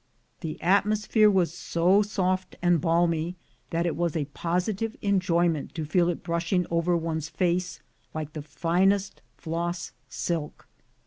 The atmosphere was so soft and balmy that it was a positive enjoyment to feel it brushing over one's face like the finest floss silk.